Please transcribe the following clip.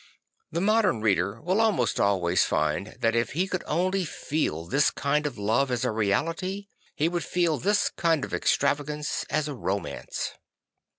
The modem reader will almost always find that if he could only feel this kind of love as a reality, he could feel this kind of extrava gance as a romance.